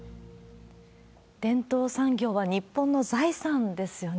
伝統産業は日本の財産ですよね。